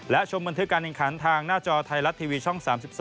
และชมบันทึกการแข่งขันทางหน้าจอไทยรัฐทีวีช่อง๓๒